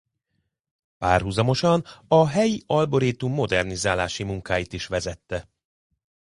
Párhuzamosan a helyi arborétum modernizálási munkáit is vezette.